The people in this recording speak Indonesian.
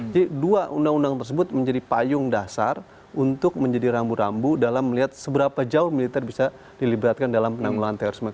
jadi dua undang undang tersebut menjadi payung dasar untuk menjadi rambu rambu dalam melihat seberapa jauh militer bisa dilibatkan dalam penanggulan terorisme